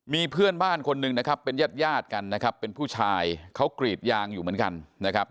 มีเพื่อนบ้านคนหนึ่งนะครับเป็นญาติญาติกันนะครับเป็นผู้ชายเขากรีดยางอยู่เหมือนกันนะครับ